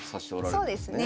そうですね。